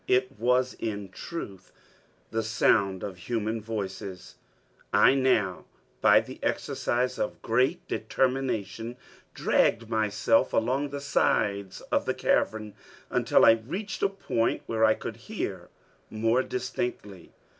It was in truth the sound of human voices. I now by the exercise of great determination dragged myself along the sides of the cavern, until I reached a point where I could hear more distinctly.